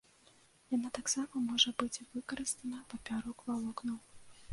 Яна таксама можа быць выкарыстана папярок валокнаў.